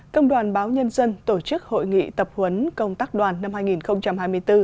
công đoàn báo nhân dân tổ chức hội nghị tập huấn công tác đoàn năm hai nghìn hai mươi bốn